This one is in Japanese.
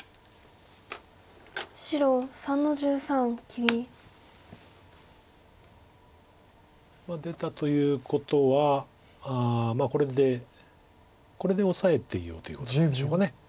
切り出たということはこれでオサえていようということなんでしょうか。